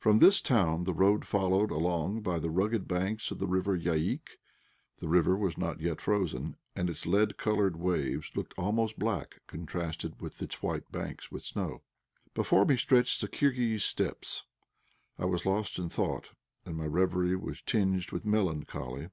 From this town the road followed along by the rugged banks of the R. Yaïk. The river was not yet frozen, and its lead coloured waves looked almost black contrasted with its banks white with snow. Before me stretched the Kirghiz Steppes. I was lost in thought, and my reverie was tinged with melancholy.